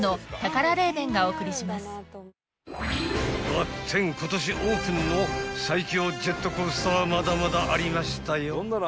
［ばってん今年オープンの最強ジェットコースターはまだまだありましたよ］